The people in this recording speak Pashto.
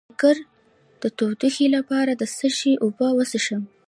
د ځیګر د تودوخې لپاره د څه شي اوبه وڅښم؟